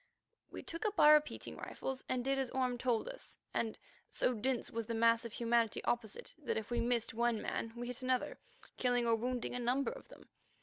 We took up our repeating rifles and did as Orme told us, and so dense was the mass of humanity opposite that if we missed one man, we hit another, killing or wounding a number of them.